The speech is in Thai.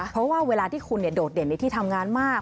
เพราะว่าเวลาที่คุณโดดเด่นในที่ทำงานมาก